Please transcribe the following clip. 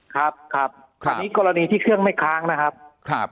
ครับครับคราวนี้กรณีที่เครื่องไม่ค้างนะครับ